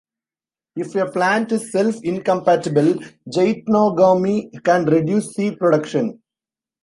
If a plant is self-incompatible, geitonogamy can reduce seed production.